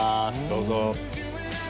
どうぞ。